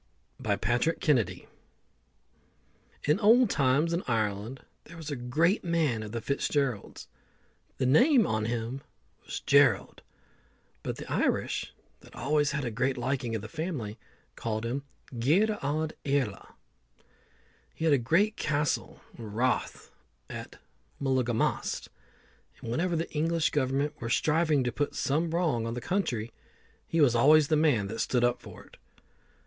BY PATRICK KENNEDY. In old times in Ireland there was a great man of the Fitzgeralds. The name on him was Gerald, but the Irish, that always had a great liking for the family, called him Gearoidh Iarla (Earl Gerald). He had a great castle or rath at Mullymast (Mullaghmast); and whenever the English Government were striving to put some wrong on the country, he was always the man that stood up for it.